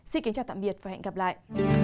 xin kính chào tạm biệt và hẹn gặp lại